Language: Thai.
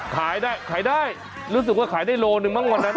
ขายได้ขายได้รู้สึกว่าขายได้โลหนึ่งมั้งวันนั้น